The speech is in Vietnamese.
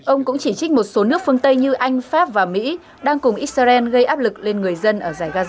ông cũng chỉ trích một số nước phương tây như anh pháp và mỹ đang cùng israel gây áp lực lên người dân ở giải gaza